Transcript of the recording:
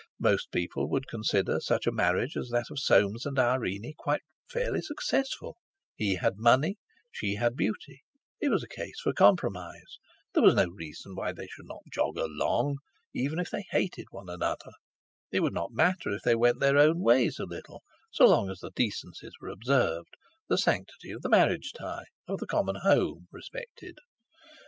Most people would consider such a marriage as that of Soames and Irene quite fairly successful; he had money, she had beauty; it was a case for compromise. There was no reason why they should not jog along, even if they hated each other. It would not matter if they went their own ways a little so long as the decencies were observed—the sanctity of the marriage tie, of the common home, respected.